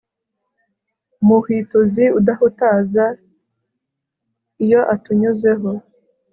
muhwituzi udahutaza iyo atunyuzeho